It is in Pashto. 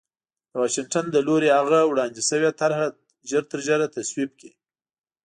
د واشنګټن له لوري هغه وړاندې شوې طرح ژرترژره تصویب کړي